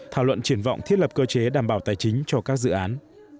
thảo luận triển vọng thiết lập cơ chế đảm bảo tài chính cho các dự án